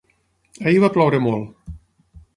Ahir va ploure molt.